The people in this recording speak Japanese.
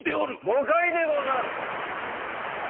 誤解でござる！